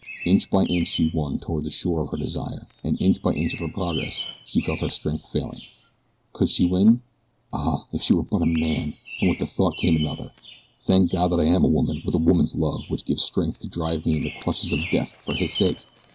Inch by inch she won toward the shore of her desire, and inch by inch of her progress she felt her strength failing. Could she win? Ah! if she were but a man, and with the thought came another: Thank God that I am a woman with a woman's love which gives strength to drive me into the clutches of death for his sake!